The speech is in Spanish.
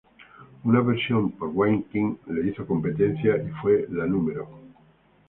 Una versión por Wayne King le hizo competencia y fue la No.